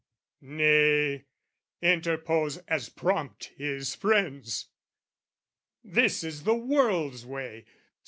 "Nay," interpose as prompt his friends "This is the world's way!